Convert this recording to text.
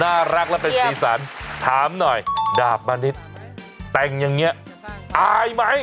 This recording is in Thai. น่ารักแล้วเป็นศีรษรถามหน่อยดาบมะนิดแต่งอย่างเงี้ยอายไหม